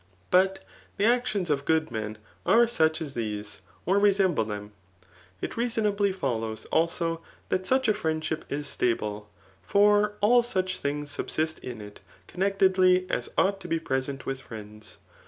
But the actions of good men are such as these, or resemble them. It reasonably follows, also, that such a friendship is stable ; for all such things subsist in it connectedly as ought to be present with friends.